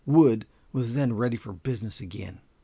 Wood was then ready for business again.